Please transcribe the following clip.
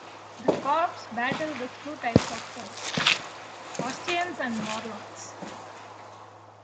The Corps battle with two types of foes: Faustians and Morlocks.